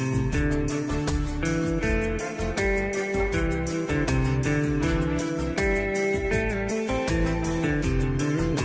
nước mắm phú quốc